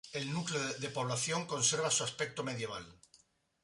El núcleo de población conserva su aspecto medieval.